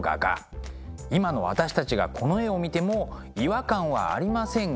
今の私たちがこの絵を見ても違和感はありませんが。